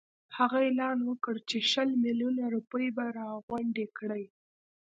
هغه اعلان وکړ چې شل میلیونه روپۍ به راغونډي کړي.